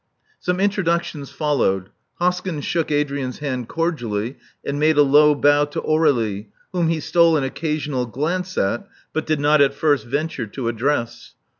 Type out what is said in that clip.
Some introductions followed. Hoskyn shook Adrian's hand cordially, and made a low bow to Aur^lie, whom he stole an occasional glance at, but did not at first venture to address.